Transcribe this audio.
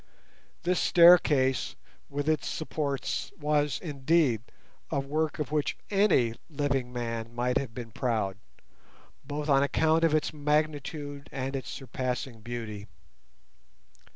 This staircase with its supports was, indeed, a work of which any living man might have been proud, both on account of its magnitude and its surpassing beauty.